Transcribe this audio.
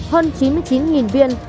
hơn chín mươi chín viên